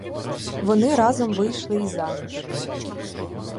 Вони разом вийшли й заміж.